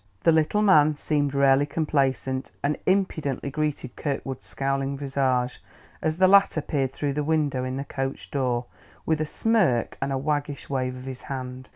The little man seemed rarely complacent, and impudently greeted Kirkwood's scowling visage, as the latter peered through the window in the coach door, with a smirk and a waggish wave of his hand.